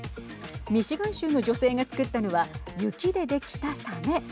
ミシガン州の女性が作ったのは雪でできたサメ。